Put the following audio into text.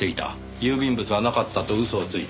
郵便物はなかったと嘘をついて。